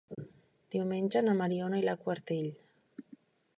Diumenge na Mariona irà a Quartell.